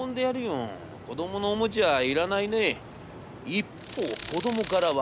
一方子どもからは。